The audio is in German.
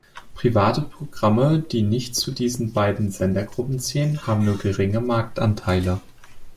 Private Programme, die nicht zu diesen beiden Sendergruppe zählen, haben nur geringe Marktanteile.